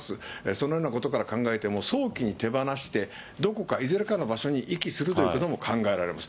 そのようなことから考えても、早期に手放して、どこか、いずれかの場所に遺棄するということも考えられます。